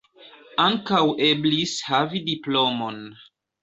Ankaŭ eblis havi diplomon.